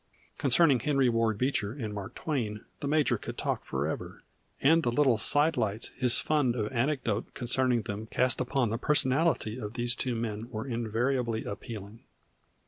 Concerning Henry Ward Beecher and Mark Twain the major could talk forever, and the little sidelights his fund of anecdote concerning them cast upon the personality of these two men were invariably appealing.